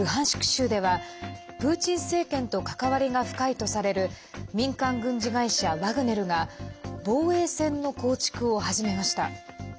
州ではプーチン政権と関わりが深いとされる民間軍事会社ワグネルが防衛線の構築を始めました。